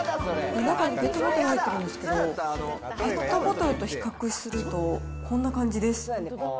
中にペットボトル入ってるんですけど、ペットボトルと比較すると、こんな感じです。